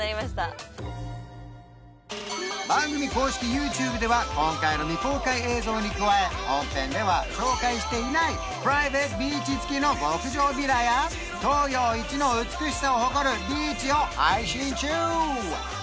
番組公式ＹｏｕＴｕｂｅでは今回の未公開映像に加え本編では紹介していないプライベートビーチ付きの極上ヴィラや東洋一の美しさを誇るビーチを配信中！